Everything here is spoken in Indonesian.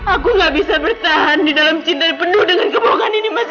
aku gak bisa bertahan di dalam cinta penuh dengan kebohongan ini